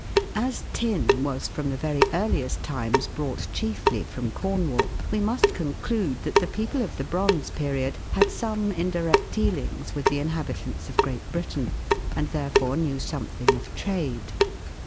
As tin was from the very earliest times brought chiefly from Cornwall, we must conclude that the people of the Bronze Period had some indirect dealings with the inhabitants of Great Britain, and, therefore, knew some thing of trade.